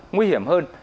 nguy hiểm hơn